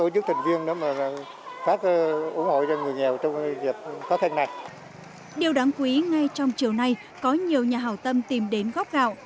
điều đáng quý ngay trong chiều nay có nhiều nhà hào tâm tìm đến góp gạo